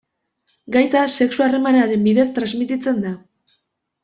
Gaitza sexu-harremanen bidez transmititzen da.